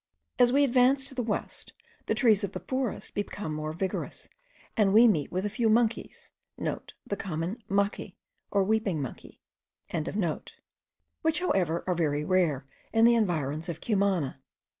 As we advance to the west, the trees of the forest become more vigorous, and we meet with a few monkeys,* (* The common machi, or weeping monkey.) which, however, are very rare in the environs of Cumana.